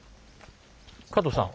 加藤さん。